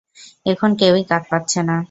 এখন কেউই কাঁধ পাতছে না।